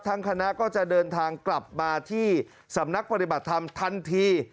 คณะก็จะเดินทางกลับมาที่สำนักปฏิบัติธรรมทันที